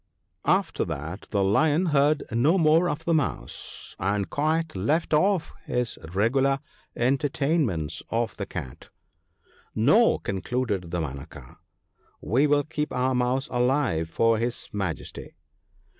After that the Lion heard no more of the mouse, and quite left off his regular entertain 68 THE BOOK OF OOOD COUNSELS. merits of the Cat. No !' concluded Damanaka, ' we will keep our mouse alive for his Majesty.'